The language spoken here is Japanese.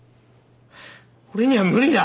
俺には無理だ！